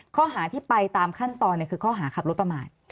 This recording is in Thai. ข้อหาที่ไปตามขั้นตอนคือข้อหาขับรถประมาท